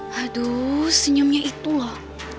haduh senyumnya itu loh